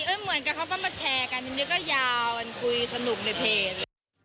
เหมือนกันเขาก็มาแชร์กันที่นี่ก็ยาวคุยสนุกในเพจ